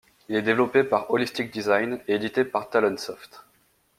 Il est développé par Holistic Design et édité par TalonSoft.